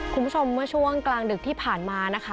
คุณผู้ชมเมื่อช่วงกลางดึกที่ผ่านมานะคะ